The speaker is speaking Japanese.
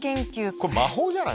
これ魔法じゃない？